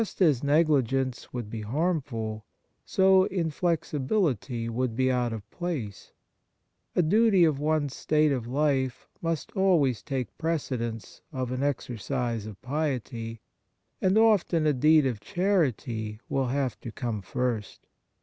Just as negligence would be harmful, so inflexibility would be out of place. A duty of one's state of life must always take precedence of an exercise of piety, and often a deed of charity will have to come first.